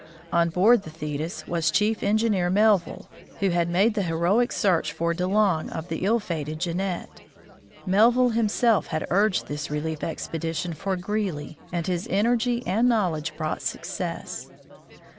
On board the TJietis was Chief Engineer Melville, who had FARTHEST NORTH OF THE GREELY PARTY 91 made the heroic search for De Long of the ill fated Jean nette. Melville himself had urged this relief expedition for Greely, and his energy and knowledge brought success.